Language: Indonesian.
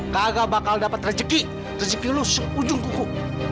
kagak bakal dapat rezeki rezeki lu seujung kuku